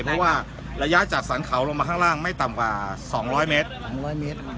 เพราะว่าระยะจากสันเขาลงมาข้างล่างไม่ต่ำกว่าสองร้อยเมตรสองร้อยเมตร